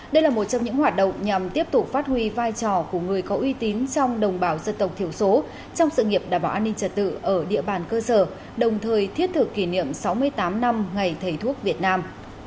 đây là một trong những hoạt động nhằm tiếp tục phát huy vai trò của người có uy tín trong đồng bào dân tộc thiểu số trong sự nghiệp đảm bảo an ninh trật tự ở địa bàn cơ sở đồng thời thiết thực kỷ niệm sáu mươi tám năm ngày thầy thuốc việt nam